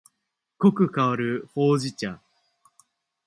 濃く香るほうじ茶